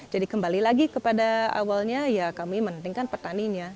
jadi kembali lagi kepada awalnya ya kami mementingkan petaninya